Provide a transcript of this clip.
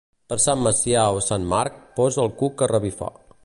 Per Sant Macià o Sant Marc posa el cuc a revifar.